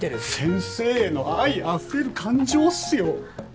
先生への愛あふれる感情っすよ。